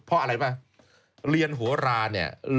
เพราะอะไรป่ะเรียนหัวราเนี่ย